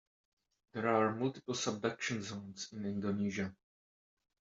There are multiple subduction zones in Indonesia.